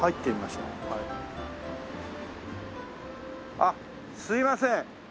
あっすいません。